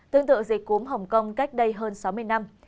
tương tự dịch cúm hồng kông cách đây hơn sáu mươi năm